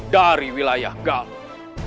dari wilayah galuh